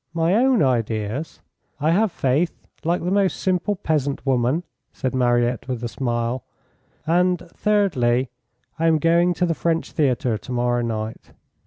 "My own ideas? I have faith like the most simple peasant woman," said Mariette with a smile. "And, thirdly, I am going to the French Theatre to morrow night."